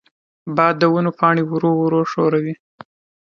باد د ونو پاڼې ورو ورو ښوروي.